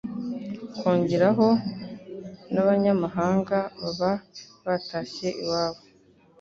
kongeraho n'abanyamahanga baba batashye iwabo